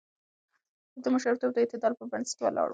د ده مشرتوب د اعتدال پر بنسټ ولاړ و.